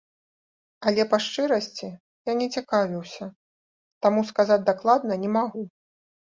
Але, па шчырасці, я не цікавіўся, таму сказаць дакладна не магу.